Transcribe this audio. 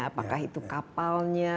apakah itu kapalnya